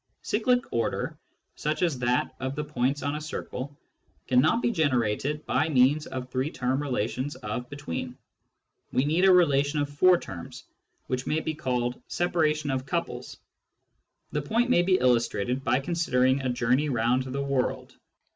Cyclic order, such as that of the points on a circle, cannot be generated by means of three term relations of " between." We need a relation of four terms, which may be called " separation of couples." The point may be illustrated by considering a journey round the world.